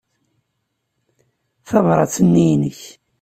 Tabṛat-nni i nekk.